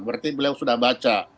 berarti beliau sudah baca